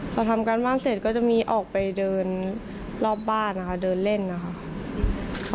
พอทำการบ้านเสร็จก็จะมีออกไปเดินรอบบ้านนะคะเดินเล่นนะคะ